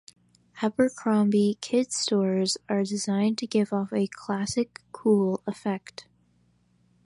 Abercrombie kids stores are designed to give off a "classic cool" effect.